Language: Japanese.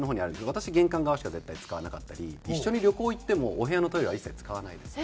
私玄関側しか絶対使わなかったり一緒に旅行行ってもお部屋のトイレは一切使わないです。